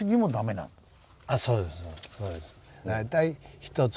そうですそうです。